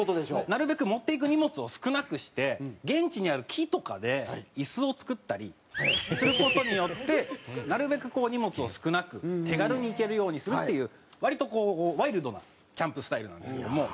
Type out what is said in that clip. なるべく持って行く荷物を少なくして現地にある木とかで椅子を作ったりする事によってなるべく荷物を少なく手軽に行けるようにするっていう割とこうワイルドなキャンプスタイルなんですけども。